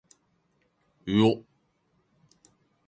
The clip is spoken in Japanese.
うお